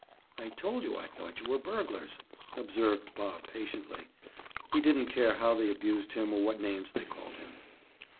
"I told you I thought you were burglars," observed Bob patiently. He didn't care how they abused him or what names they called him.